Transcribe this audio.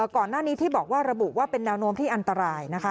ก่อนหน้านี้ที่บอกว่าระบุว่าเป็นแนวโน้มที่อันตรายนะคะ